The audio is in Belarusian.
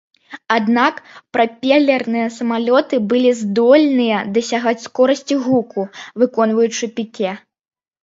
Аднак, прапелерныя самалёты былі здольныя дасягаць скорасці гуку, выконваючы піке.